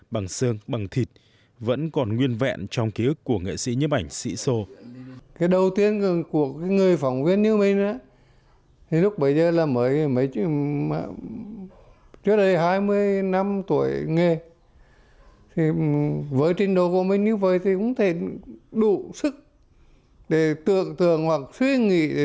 bằng sơn bằng thịt vẫn còn nguyên vẹn trong ký ức của nghệ sĩ nhấp ảnh sĩ sô